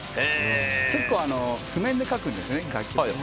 結構、譜面で書くんですね。